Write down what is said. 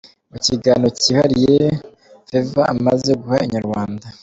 Mu kiganiro kihariye Favor amaze guha Inyarwanda.